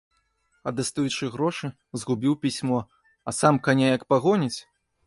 А дастаючы грошы, згубіў пісьмо, а сам каня як пагоніць!